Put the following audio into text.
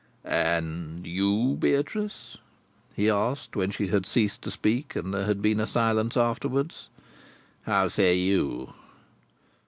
'" "And you, Beatrice," he asked, when she had ceased to speak, and there had been a silence afterwards: "how say you?"